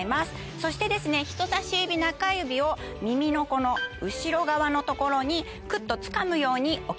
そして人さし指中指を耳の後ろ側のところにくっとつかむように置きます。